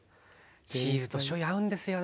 チーズとしょうゆ合うんですよね。